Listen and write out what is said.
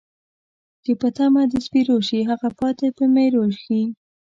چې په تمه د سپرو شي ، هغه پاتې په میرو ښی